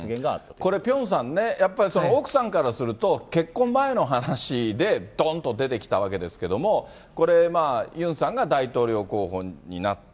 これ、ピョンさんね、やっぱり奥さんからすると、結婚前の話で、どんと出てきたわけですけれども、これ、ユンさんが大統領候補になった。